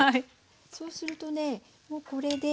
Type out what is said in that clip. そうするとねもうこれで。